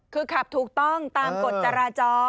คือขับถูกต้องตามกฎจราจร